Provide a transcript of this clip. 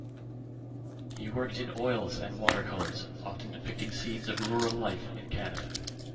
He worked in oils and watercolors, often depicting scenes of rural life in Canada.